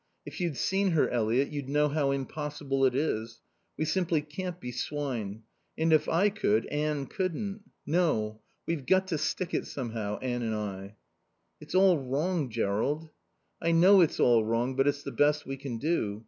If you'd seen her, Eliot, you'd know how impossible it is. We simply can't be swine. And if I could, Anne couldn't.... No. We've got to stick it somehow, Anne and I." "It's all wrong, Jerrold." "I know it's all wrong. But it's the best we can do.